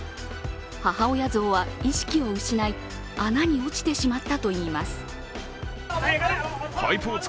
母親ゾウは意識を失い穴に落ちてしまったといいます。